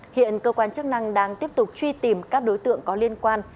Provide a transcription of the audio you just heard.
hiện cơ quan chức năng đang tiếp tục truy tìm các đối tượng có liên quan